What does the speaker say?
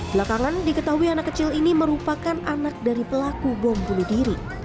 belakangan diketahui anak kecil ini merupakan anak dari pelaku bom bunuh diri